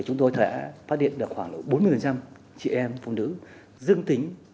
chúng tôi đã phát hiện được khoảng bốn mươi chị em phụ nữ dương tính